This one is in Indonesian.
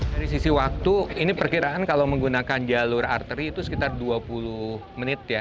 dari sisi waktu ini perkiraan kalau menggunakan jalur arteri itu sekitar dua puluh menit ya